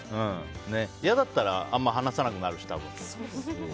嫌だったらあんま話さなくなるし、多分。